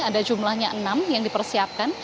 ada jumlahnya enam yang dipersiapkan